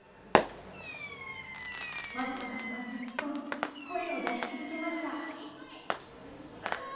まどかさんはずっと声を出し続けました。